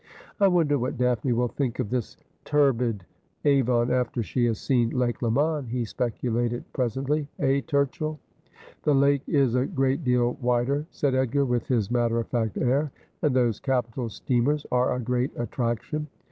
' I wonder what Daphne will think of this turbid Avon after she has seen Lake Leman,' he speculated presently, ' eh, Turchill?' '^ J, ,' The lake is a great deal wider,' said Edgar, with his matter of fact air ;' and those capital steamers are a great attraction.'